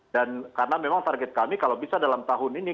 dan karena memang target kami kalau bisa dalam tahun ini